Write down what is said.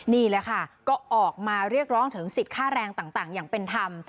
นี่แหละค่ะก็ออกมาเรียกร้องถึงสิทธิค่าแรงต่างอย่างเป็นธรรม